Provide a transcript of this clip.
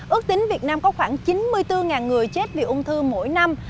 ước tính việt nam có khoảng chín mươi bốn người chết vì ung thư mỗi năm